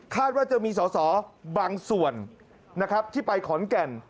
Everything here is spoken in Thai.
คาดว่าจะมีสอสอบางส่วนที่ไปขอนแก่น